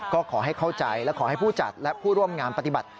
ก็ขอให้เข้าใจและขอให้ผู้จัดและผู้ร่วมงานปฏิบัติ